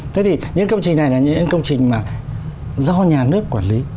thế thì những công trình này là những công trình mà do nhà nước quản lý